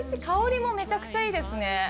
香りもめちゃくちゃいいですね。